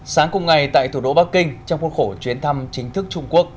sáng cùng ngày tại thủ đô bắc kinh trong khuôn khổ chuyến thăm chính thức trung quốc